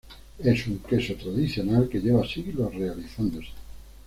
Es un queso tradicional que lleva siglos realizándose.